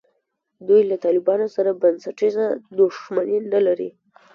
دوی له طالبانو سره بنسټیزه دښمني نه لري.